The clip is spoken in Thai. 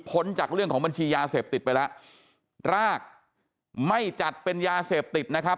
จากเรื่องของบัญชียาเสพติดไปแล้วรากไม่จัดเป็นยาเสพติดนะครับ